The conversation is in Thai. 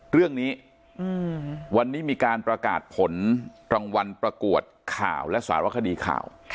เรื่องนี้วันนี้มีการประกาศผลรางวัลประกวดข่าวและสารคดีข่าว